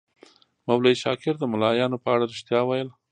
مولوي شاکر د ملایانو په اړه ریښتیا ویل.